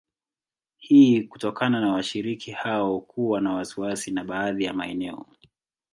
Hii kutokana na washiriki hao kuwa na wasiwasi na baadhi ya maeneo